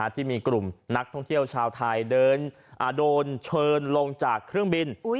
ที่มีกลุ่มนักท่องเที่ยวชาวไทยโดนเชิญลงจากเครื่องบิน